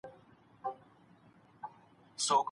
که ښوونکي زموږ پاڼه وړاندي کړي، موږ به خوښ سو.